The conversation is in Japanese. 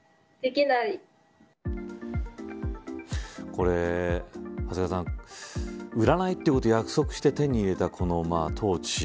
これ、長谷川さん売らないということを約束して手に入れたこのトーチ。